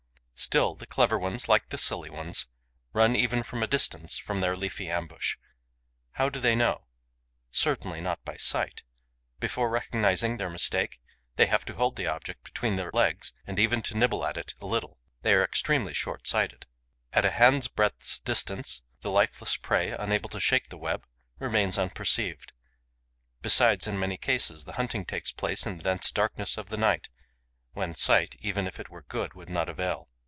Still, the clever ones, like the silly ones, run even from a distance, from their leafy ambush. How do they know? Certainly not by sight. Before recognizing their mistake, they have to hold the object between their legs and even to nibble at it a little. They are extremely short sighted. At a hand's breadth's distance, the lifeless prey, unable to shake the web, remains unperceived. Besides, in many cases, the hunting takes place in the dense darkness of the night, when sight, even if it were good, would not avail.